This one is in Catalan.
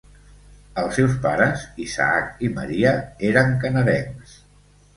Els seus pares Isaac i Maria eren canadencs.